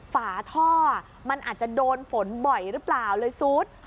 ฝาท่อมันอาจจะโดนฝนบ่อยหรือเปล่าเลยซุด